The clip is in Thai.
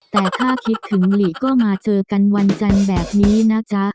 แต่ถ้าคิดถึงหลีก็มาเจอกันวันจันทร์แบบนี้นะจ๊ะ